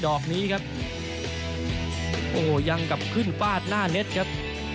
อกนี้ครับโอ้โหยังกลับขึ้นฟาดหน้าเน็ตครับ